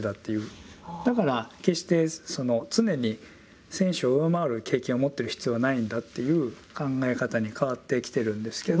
だから決してその常に選手を上回る経験を持ってる必要はないんだという考え方に変わってきてるんですけど。